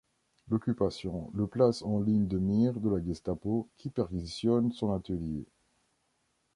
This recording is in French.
L'Occupation le place en ligne de mire de la Gestapo qui perquisitionne son atelier.